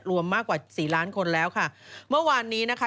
รวมมากกว่าสี่ล้านคนแล้วค่ะเมื่อวานนี้นะคะ